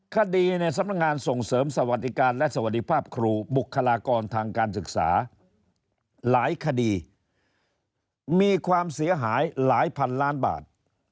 คดีในสำนักงานส่งเสริมสวัสดิการและสวัสดีภาพครูบุคลากรทางการศึกษาหลายคดีมีความเสียหายหลายพันล้านบาท